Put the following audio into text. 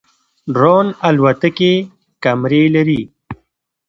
ډرون الوتکې کمرې لري